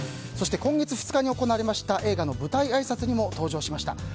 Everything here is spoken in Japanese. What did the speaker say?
そして、今月２日に行われました映画の舞台あいさつにも登場しました。